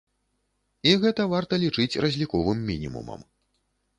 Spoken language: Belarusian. І гэта варта лічыць разліковым мінімумам.